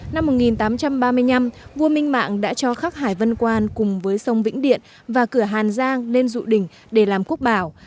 năm một nghìn tám trăm ba mươi năm vua minh mạng đã cho khắc hải vân quan cùng với sông vĩnh điện và cửa hàn giang lên rụ đỉnh để làm quốc bảo